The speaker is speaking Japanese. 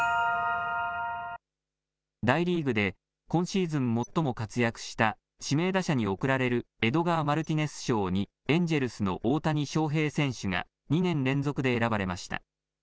大リーグで今シーズン最も活躍した指名打者に贈られる、エドガー・マルティネス賞に、エンジェルスの大谷翔平選手が２年連続で選ばれました。